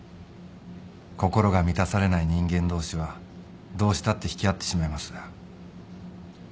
心が満たされない人間同士はどうしたって引き合ってしまいます。